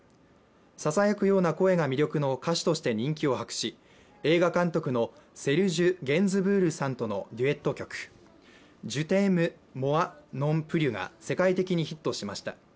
ささやくような声が魅力の歌手として人気を博し映画監督のセルジュ・ゲンズブールさんとのデュエット曲、「ジュ・テーム・モワ・ノン・プリュ」が世界的にヒットしました。